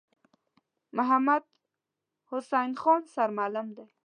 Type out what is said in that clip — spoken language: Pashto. محمدحسین خان سرمعلم دی.